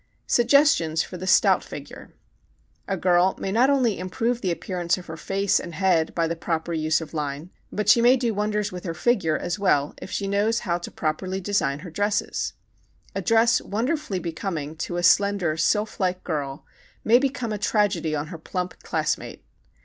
Successful Coiffure for Broad Face] Suggestions for the Stout Figure A girl may not only improve the appearance of her face and head by the proper use of line but she may do wonders with her figure, as well, if she knows how to properly design her dresses. A dress wonderfully becoming to a slender sylphlike girl may become a tragedy on her plump classmate.